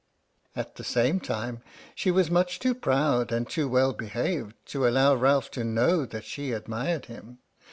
At the same time, she was much too proud and too well behaved to allow Ralph to know that she admired him.